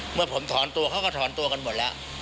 เมื่อผมถอนตัวเขาก็ถอนตัวกันหมดแล้ว